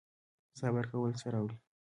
صبر کول څه راوړي؟